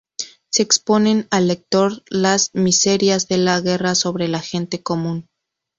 Se exponen al lector las miserias de la guerra sobre la gente común.